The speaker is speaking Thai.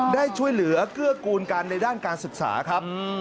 ได้ช่วยเหลือเกื้อกูลกันในด้านการศึกษาครับ